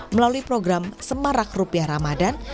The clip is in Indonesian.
melalui program semarak rupiah ramadan